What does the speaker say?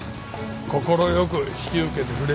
快く引き受けてくれたよ。